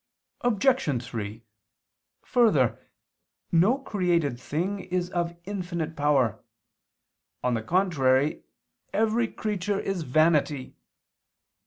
Obj. 3: Further, no created thing is of infinite power; on the contrary every creature is vanity.